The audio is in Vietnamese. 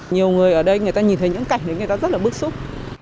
nhiều người ở đây người ta nhìn thấy những cảnh đấy người ta rất là bức xúc